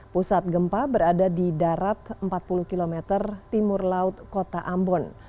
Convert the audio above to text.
pusat gempa berada di darat empat puluh km timur laut kota ambon